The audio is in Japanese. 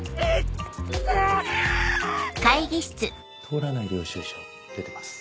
通らない領収書出てます。